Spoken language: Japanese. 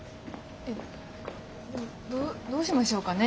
どどうしましょうかね。